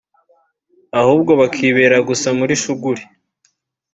ahubwo bakibera gusa muli Shuguli